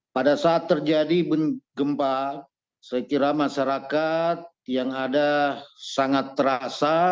pada saat terjadi gempa saya kira masyarakat yang ada sangat terasa